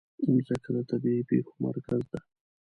مځکه د طبیعي پېښو مرکز ده.